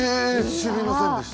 知りませんでした。